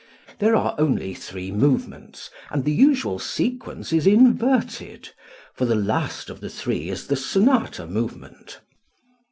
There are only three movements, and the usual sequence is inverted, for the last of the three is the Sonata movement.